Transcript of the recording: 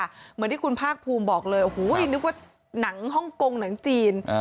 เหมือนที่คุณภาคภูมิบอกเลยโอ้โหนึกว่าหนังฮ่องกงหนังจีน